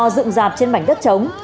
dựng dạp trên bảnh đất trống